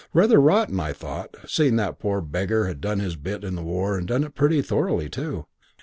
Rather rotten, I thought it, seeing that the poor beggar had done his bit in the war and done it pretty thoroughly too.